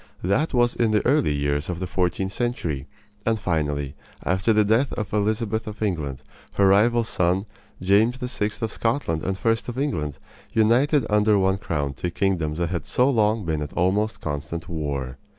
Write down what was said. That was in the early years of the fourteenth century; and finally, after the death of Elizabeth of England, her rival's son, James VI. of Scotland and I. of England, united under one crown two kingdoms that had so long been at almost constant war.